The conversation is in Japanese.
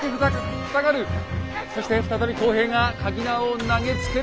そして再び工兵がかぎ縄を投げつける。